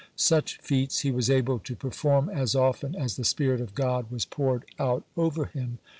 Such feats he was able to perform as often as the spirit of God was poured out over him.